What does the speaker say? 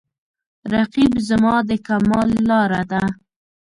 رقیب زما د کمال لاره ده